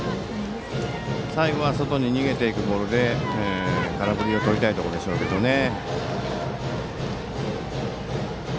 最後は外に逃げていくボールで空振りをとりたいところですね。